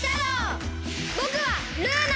ぼくはルーナ！